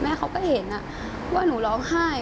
เขาก็เห็นว่าหนูร้องไห้